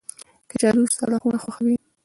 کچالو سړه خونه خوښوي